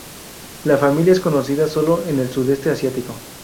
La familia es conocida sólo en el sudeste asiático.